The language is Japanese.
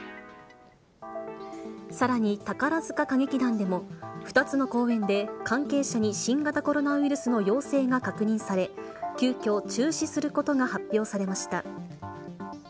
さらに、宝塚歌劇団でも、２つの公演で関係者に新型コロナウイルスの陽性が確認され、急きょ、中止することが発表されました。